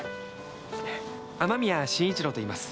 雨宮慎一郎といいます。